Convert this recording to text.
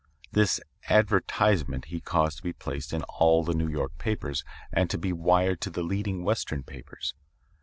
"This advertisement he caused to be placed in all the New York papers and to be wired to the leading Western papers.